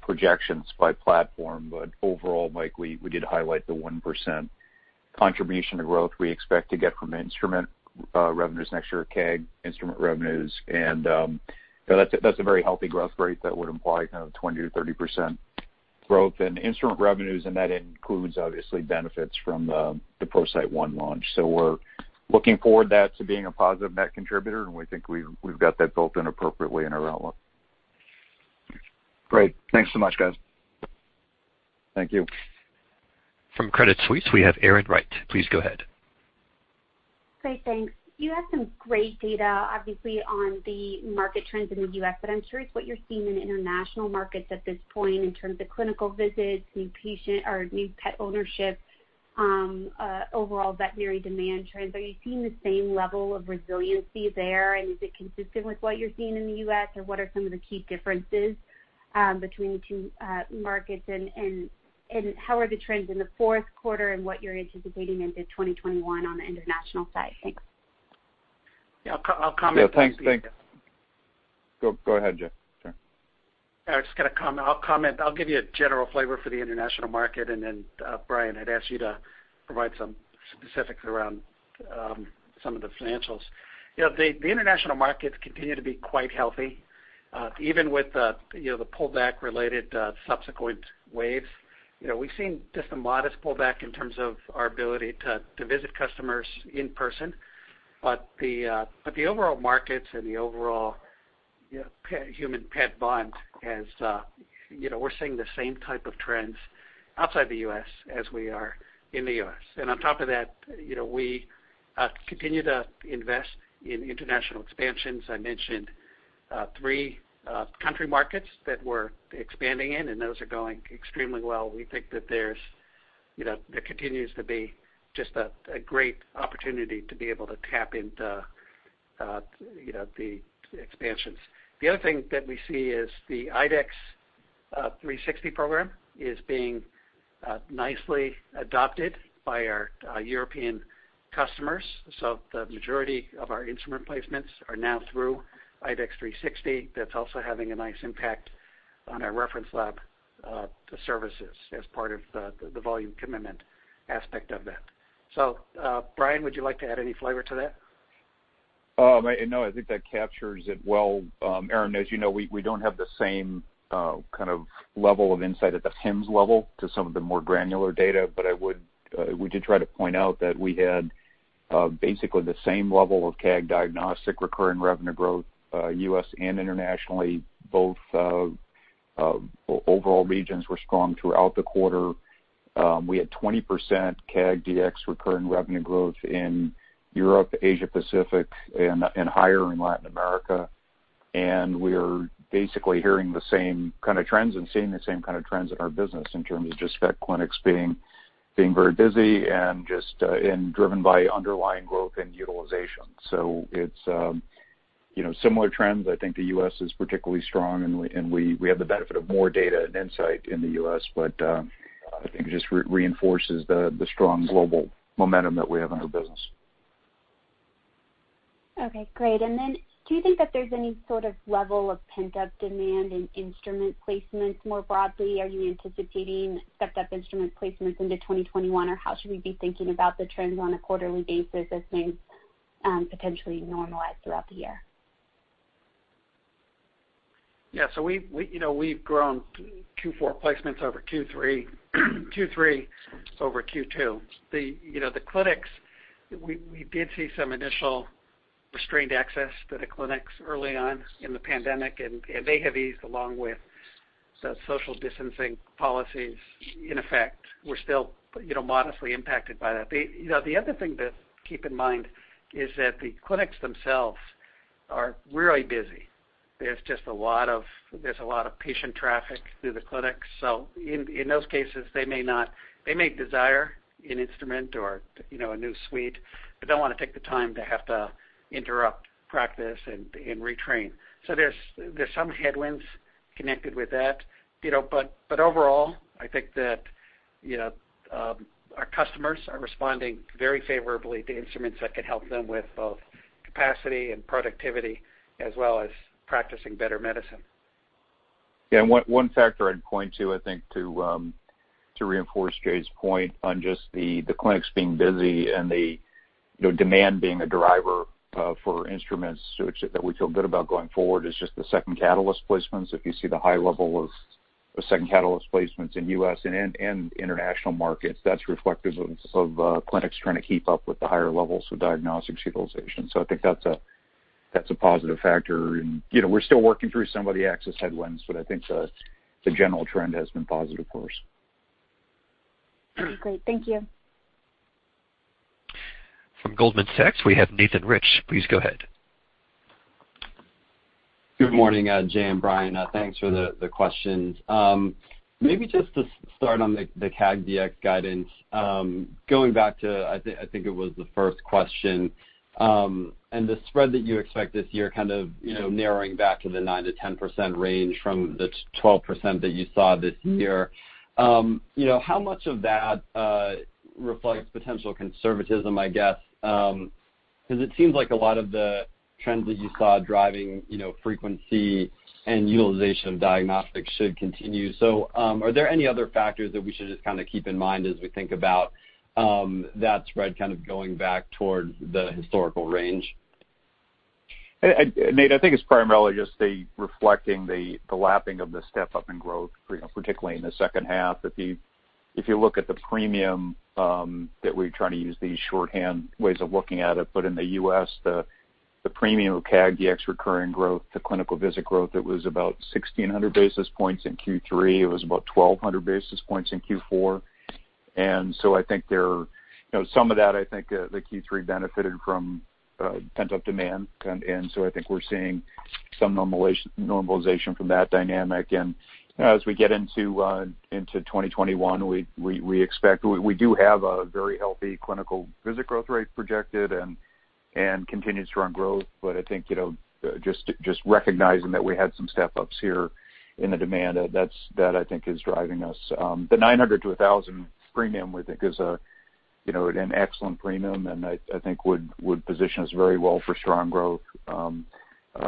projections by platform, but overall, Mike, we did highlight the 1% contribution to growth we expect to get from instrument revenues next year, CAG instrument revenues. That's a very healthy growth rate that would imply kind of 20%-30% growth in instrument revenues, and that includes, obviously, benefits from the ProCyte One launch. We're looking for that to being a positive net contributor, and we think we've got that built in appropriately in our outlook. Great. Thanks so much, guys. Thank you. From Credit Suisse, we have Erin Wright. Please go ahead. Great. Thanks. You have some great data, obviously, on the market trends in the U.S., but I'm curious what you're seeing in international markets at this point in terms of clinical visits, new pet ownership, overall veterinary demand trends, are you seeing the same level of resiliency there, and is it consistent with what you're seeing in the U.S., or what are some of the key differences between the two markets? How are the trends in the fourth quarter and what you're anticipating into 2021 on the international side? Thanks. Yeah, I'll comment. Yeah. Thanks. Go ahead, Jay. Sure. Erin, I'll comment. I'll give you a general flavor for the international market, and then Brian, I'd ask you to provide some specifics around some of the financials. The international markets continue to be quite healthy, even with the pullback-related subsequent waves. We've seen just a modest pullback in terms of our ability to visit customers in person. The overall markets and the overall human-pet bond, we're seeing the same type of trends outside the U.S. as we are in the U.S. On top of that, we continue to invest in international expansions. I mentioned three country markets that we're expanding in, and those are going extremely well. We think that there continues to be just a great opportunity to be able to tap into the expansions. The other thing that we see is the IDEXX 360 program is being nicely adopted by our European customers. The majority of our instrument placements are now through IDEXX 360. That's also having a nice impact on our reference lab services as part of the volume commitment aspect of that. Brian, would you like to add any flavor to that? No, I think that captures it well. Erin, as you know, we don't have the same level of insight at the PIMS level to some of the more granular data, but we did try to point out that we had basically the same level of CAG Diagnostics recurring revenue growth, U.S. and internationally, both overall regions were strong throughout the quarter. We had 20% CAG Dx recurring revenue growth in Europe, Asia Pacific, and higher in Latin America. We're basically hearing the same kind of trends and seeing the same kind of trends in our business in terms of just vet clinics being very busy and driven by underlying growth and utilization. It's similar trends. I think the U.S. is particularly strong, and we have the benefit of more data and insight in the U.S., but I think it just reinforces the strong global momentum that we have in our business. Okay, great. Do you think that there's any sort of level of pent-up demand in instrument placements more broadly? Are you anticipating stepped-up instrument placements into 2021, or how should we be thinking about the trends on a quarterly basis as things potentially normalize throughout the year? Yeah. We've grown Q4 placements over Q3 over Q2. The clinics, we did see some initial restrained access to the clinics early on in the pandemic, and they have eased along with the social distancing policies in effect. We're still modestly impacted by that. The other thing to keep in mind is that the clinics themselves are really busy. There's a lot of patient traffic through the clinics. In those cases, they may desire an instrument or a new suite, don't want to take the time to have to interrupt practice and retrain. There's some headwinds connected with that, overall, I think that our customers are responding very favorably to instruments that could help them with both capacity and productivity, as well as practicing better medicine. Yeah, one factor I'd point to, I think, to reinforce Jay's point on just the clinics being busy and the demand being a driver for instruments that we feel good about going forward is just the second Catalyst placements. If you see the high level of second Catalyst placements in U.S. and international markets, that's reflective of clinics trying to keep up with the higher levels of diagnostics utilization. I think that's a positive factor. We're still working through some of the access headwinds, but I think the general trend has been positive for us. Great. Thank you. From Goldman Sachs, we have Nathan Rich. Please go ahead. Good morning, Jay and Brian. Thanks for the questions. Just to start on the CAG Dx guidance, going back to, I think it was the first question, and the spread that you expect this year kind of narrowing back to the 9%-10% range from the 12% that you saw this year. How much of that reflects potential conservatism, I guess? It seems like a lot of the trends that you saw driving frequency and utilization of diagnostics should continue. Are there any other factors that we should just keep in mind as we think about that spread kind of going back towards the historical range? Nate, I think it's primarily just reflecting the lapping of the step-up in growth, particularly in the second half. If you look at the premium, that we try to use these shorthand ways of looking at it, but in the U.S., the premium of CAG Dx recurring growth, the clinical visit growth, it was about 1,600 basis points in Q3. It was about 1,200 basis points in Q4. Some of that, I think the Q3 benefited from pent-up demand. I think we're seeing some normalization from that dynamic. As we get into 2021, we do have a very healthy clinical visit growth rate projected and continued strong growth. I think, just recognizing that we had some step-ups here in the demand, that I think is driving us. The 900-1,000 basis points premium we think is an excellent premium and I think would position us very well for strong growth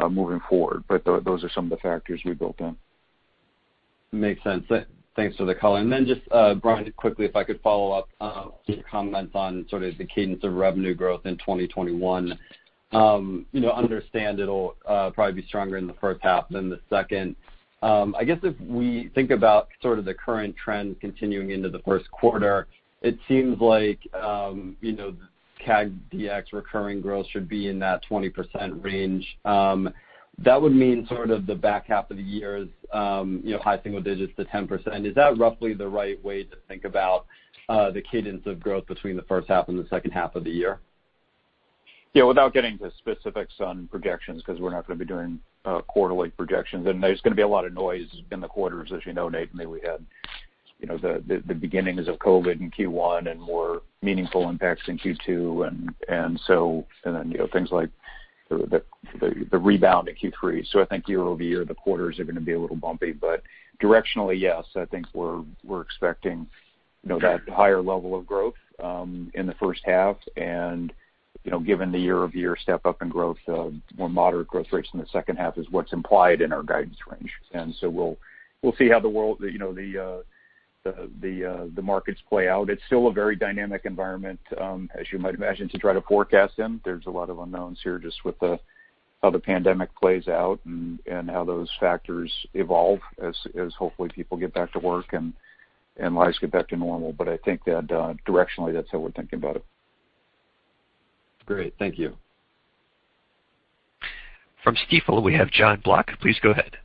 moving forward. Those are some of the factors we built in. Makes sense. Thanks for the color. Brian, quickly, if I could follow up your comments on sort of the cadence of revenue growth in 2021. Understand it'll probably be stronger in the first half than the second. I guess if we think about sort of the current trend continuing into the first quarter, it seems like CAG Dx recurring growth should be in that 20% range. That would mean sort of the back half of the year is high single digits to 10%. Is that roughly the right way to think about the cadence of growth between the first half and the second half of the year? Yeah. Without getting to specifics on projections, because we're not going to be doing quarterly projections, and there's going to be a lot of noise in the quarters, as you know, Nathan. We had the beginnings of COVID in Q1 and more meaningful impacts in Q2, and then things like the rebound in Q3. I think year-over-year, the quarters are going to be a little bumpy. Directionally, yes, I think we're expecting that higher level of growth in the first half. Given the year-over-year step up in growth, a more moderate growth rates in the second half is what's implied in our guidance range. We'll see how the markets play out. It's still a very dynamic environment, as you might imagine, to try to forecast in. There's a lot of unknowns here, just with how the pandemic plays out and how those factors evolve as hopefully people get back to work and lives get back to normal. I think that directionally, that's how we're thinking about it. Great. Thank you. From Stifel, we have Jon Block. Please go ahead.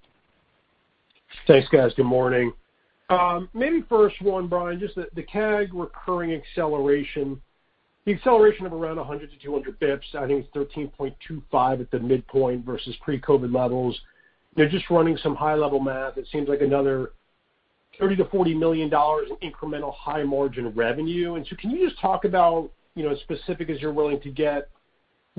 Thanks, guys. Good morning. First one, Brian, just the CAG recurring acceleration, the acceleration of around 100-200 basis points, I think it's 13.25 at the midpoint versus pre-COVID levels. Running some high-level math, it seems like another $30 million-$40 million in incremental high margin revenue. Can you just talk about, specific as you're willing to get,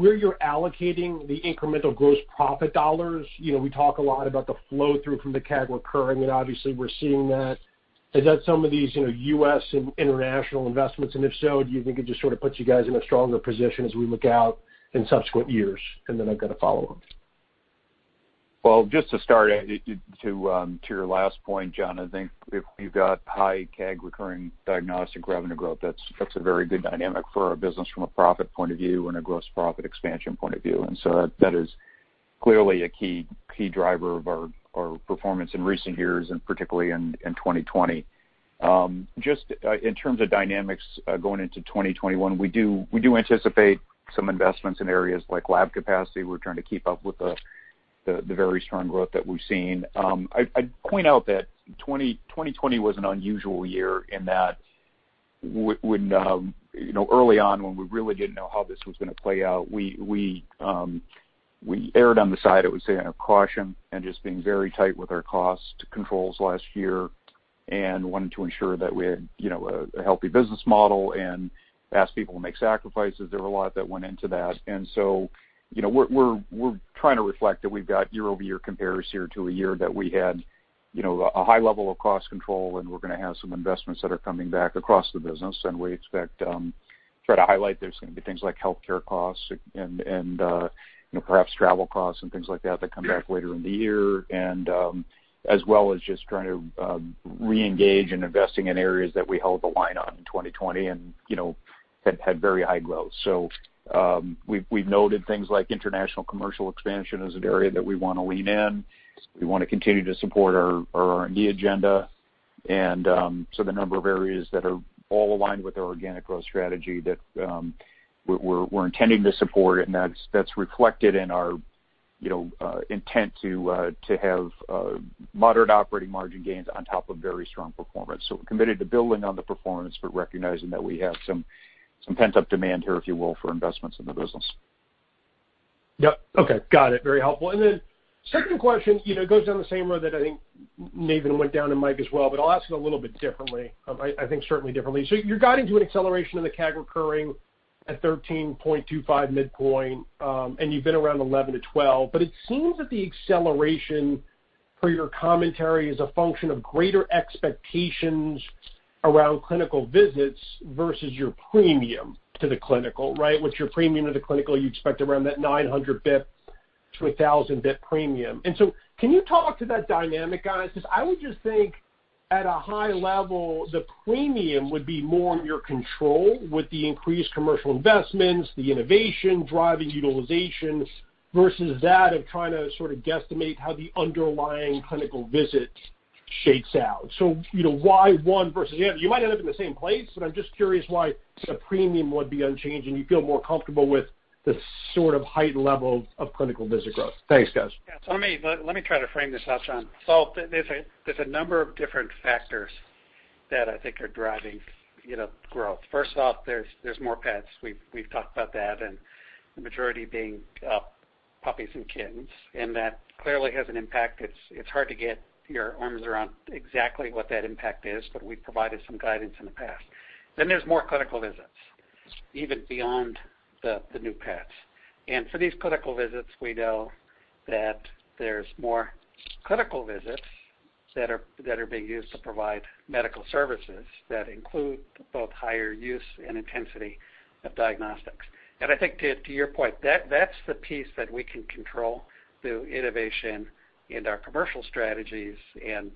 where you're allocating the incremental gross profit dollars? We talk a lot about the flow-through from the CAG recurring, and obviously we're seeing that. Is that some of these U.S. and international investments? If so, do you think it just sort of puts you guys in a stronger position as we look out in subsequent years? I've got a follow-up. Just to start to your last point, Jon, I think if you've got high CAG recurring diagnostic revenue growth, that's a very good dynamic for our business from a profit point of view and a gross profit expansion point of view. That is clearly a key driver of our performance in recent years, and particularly in 2020. Just in terms of dynamics going into 2021, we do anticipate some investments in areas like lab capacity. We're trying to keep up with the very strong growth that we've seen. I'd point out that 2020 was an unusual year in that early on, when we really didn't know how this was going to play out, we erred on the side, I would say, of caution and just being very tight with our cost controls last year and wanted to ensure that we had a healthy business model and asked people to make sacrifices. There were a lot that went into that. We're trying to reflect that we've got year-over-year compares here to a year that we had a high level of cost control, and we're going to have some investments that are coming back across the business. We expect, try to highlight there's going to be things like healthcare costs and perhaps travel costs and things like that come back later in the year. As well as just trying to reengage in investing in areas that we held the line on in 2020 and had very high growth. We've noted things like international commercial expansion as an area that we want to lean in. We want to continue to support our R&D agenda. The number of areas that are all aligned with our organic growth strategy that we're intending to support, and that's reflected in our intent to have moderate operating margin gains on top of very strong performance. We're committed to building on the performance, but recognizing that we have some pent-up demand here, if you will, for investments in the business. Yep. Okay. Got it. Very helpful. Second question goes down the same road that I think Nathan went down, and Mike as well, I'll ask it a little bit differently. I think certainly differently. You're guiding to an acceleration in the CAG recurring at 13.25% midpoint, you've been around 11%-12%. It seems that the acceleration per your commentary is a function of greater expectations around clinical visits versus your premium to the clinical. Right? What's your premium to the clinical? You expect around that 900 basis points to 1,000 basis points premium. Can you talk to that dynamic, guys? Because I would just think at a high level, the premium would be more your control with the increased commercial investments, the innovation driving utilizations, versus that of trying to sort of guesstimate how the underlying clinical visits shakes out. Why one versus the other? You might end up in the same place, but I'm just curious why the premium would be unchanged and you feel more comfortable with the sort of heightened level of clinical visit growth. Thanks, guys. Yeah. Let me try to frame this out, Jon. There's a number of different factors that I think are driving growth. First off, there's more pets. We've talked about that, and the majority being puppies and kittens, and that clearly has an impact. It's hard to get your arms around exactly what that impact is, but we've provided some guidance in the past. There's more clinical visits, even beyond the new pets. For these clinical visits, we know that there's more clinical visits that are being used to provide medical services that include both higher use and intensity of diagnostics. I think to your point, that's the piece that we can control through innovation and our commercial strategies and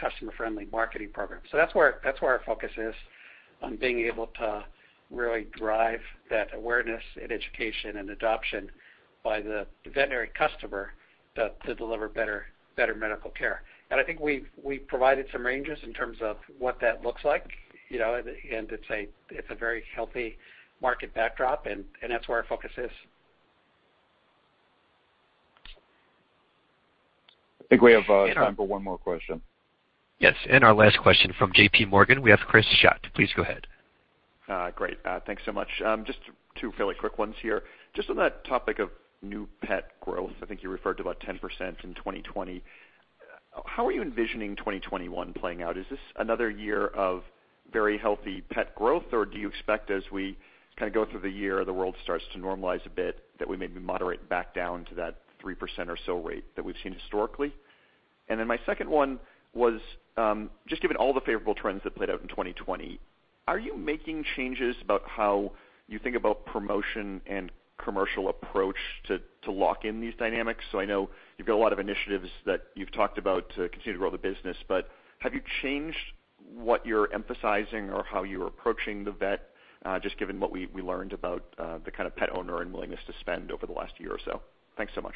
customer-friendly marketing programs. That's where our focus is on being able to really drive that awareness and education and adoption by the veterinary customer to deliver better medical care. I think we've provided some ranges in terms of what that looks like. It's a very healthy market backdrop, and that's where our focus is. I think we have time for one more question. Yes. Our last question from JPMorgan, we have Chris Schott. Please go ahead. Great. Thanks so much. Just two fairly quick ones here. Just on that topic of new pet growth, I think you referred to about 10% in 2020. How are you envisioning 2021 playing out? Is this another year of very healthy pet growth, or do you expect as we go through the year, the world starts to normalize a bit, that we maybe moderate back down to that 3% or so rate that we've seen historically? My second one was, just given all the favorable trends that played out in 2020, are you making changes about how you think about promotion and commercial approach to lock in these dynamics? I know you've got a lot of initiatives that you've talked about to continue to grow the business, but have you changed what you're emphasizing or how you're approaching the vet, just given what we learned about the kind of pet owner and willingness to spend over the last year or so? Thanks so much.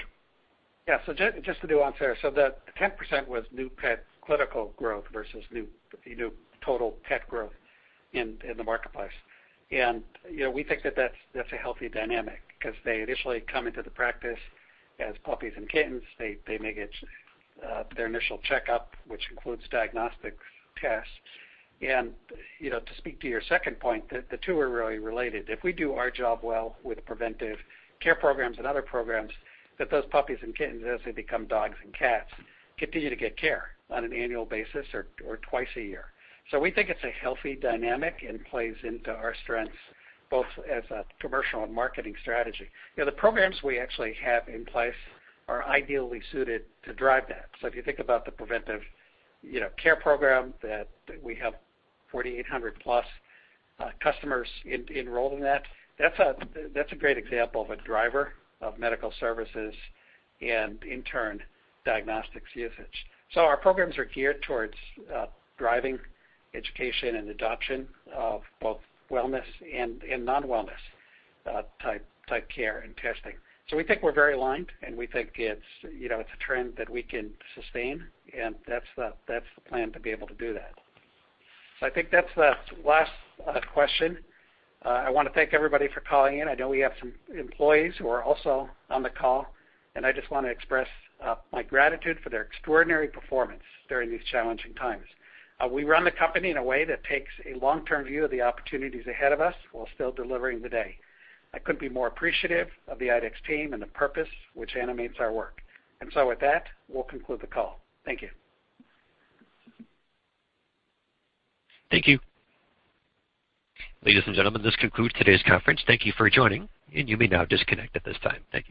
Just to nuance there, the 10% was new pet clinical growth versus new total pet growth in the marketplace. We think that that's a healthy dynamic because they initially come into the practice as puppies and kittens. They may get their initial checkup, which includes diagnostic tests. To speak to your second point, the two are really related. If we do our job well with preventive care programs and other programs, that those puppies and kittens, as they become dogs and cats, continue to get care on an annual basis or twice a year. We think it's a healthy dynamic and plays into our strengths both as a commercial and marketing strategy. The programs we actually have in place are ideally suited to drive that. If you think about the preventive care program that we have 4,800+ customers enrolled in that's a great example of a driver of medical services and in turn, diagnostics usage. Our programs are geared towards driving education and adoption of both wellness and non-wellness type care and testing. We think we're very aligned, and we think it's a trend that we can sustain, and that's the plan to be able to do that. I think that's the last question. I want to thank everybody for calling in. I know we have some employees who are also on the call, and I just want to express my gratitude for their extraordinary performance during these challenging times. We run the company in a way that takes a long-term view of the opportunities ahead of us while still delivering today. I couldn't be more appreciative of the IDEXX team and the purpose which animates our work. With that, we'll conclude the call. Thank you. Thank you. Ladies and gentlemen, this concludes today's conference. Thank you for joining, and you may now disconnect at this time. Thank you.